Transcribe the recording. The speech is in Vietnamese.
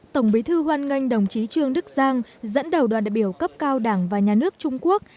tổng bí thư hoan nghênh đồng chí trương đức giang dẫn đầu đoàn đại biểu cấp cao đảng và nhà nước trung quốc